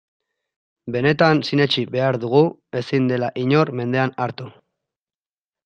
Benetan sinetsi behar dugu ezin dela inor mendean hartu.